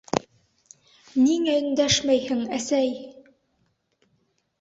Нигә өндәшмәйһең, әсәй?!